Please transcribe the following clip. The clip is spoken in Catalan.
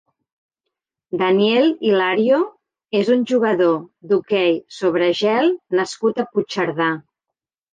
Daniel Hilario és un jugador d'hoquei sobre gel nascut a Puigcerdà.